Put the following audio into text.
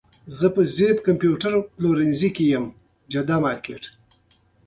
البرادعي د دوه زره یولسم کال د جنورۍ پر دیارلسمه ټویټر وکړ.